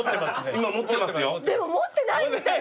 でも持ってないみたい！